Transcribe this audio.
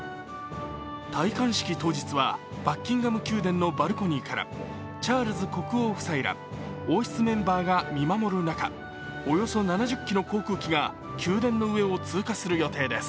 戴冠式当日はバッキンガム宮殿のバルコニーからチャールズ国王夫妻ら王室メンバーが見守る中、およそ７０機の航空機が宮殿の上を通過する予定です。